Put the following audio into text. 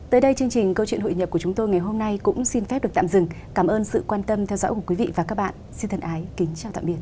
tới đây chương trình câu chuyện hội nhập của chúng tôi ngày hôm nay cũng xin phép được tạm dừng cảm ơn sự quan tâm theo dõi của quý vị và các bạn xin thân ái kính chào tạm biệt